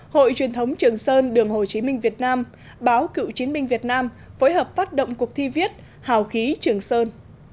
hội truyền thống trường sơn đường hồ chí minh việt nam báo cựu chiến binh việt nam phối hợp phát động cuộc thi viết hào khí trường sơn